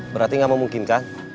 berarti gak memungkinkan